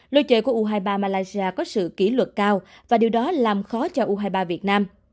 lối chơi của u hai mươi ba malaysia có sự kỷ luật cao và điều đó làm khó cho u hai mươi ba việt nam